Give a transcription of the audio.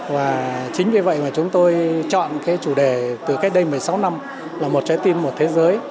và chính vì vậy mà chúng tôi chọn cái chủ đề từ cách đây một mươi sáu năm là một trái tim một thế giới